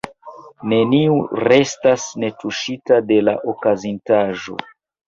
Neniu restas netuŝita de la okazintaĵo.